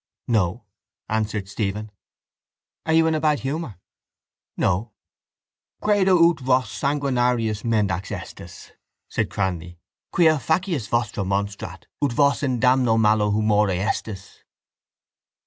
—No, answered Stephen. —Are you in bad humour? —No. —Credo ut vos sanguinarius mendax estis, said Cranly, _quia facies vostra monstrat ut vos in damno malo humore estis.